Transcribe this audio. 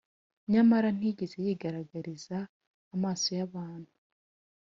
nyamara ntiyigeze yigaragariza amaso y’abantu